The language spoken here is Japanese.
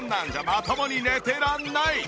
まともに寝てらんない！